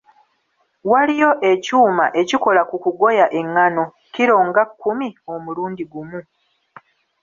Waliyo ekyuma ekikola ku kugoya engano kiro nga kkumi omulundi gumu.